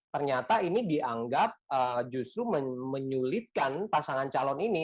ternyata ini dianggap justru menyulitkan pasangan calon ini